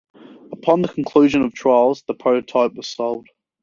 Upon the conclusion of trials, the prototype was sold.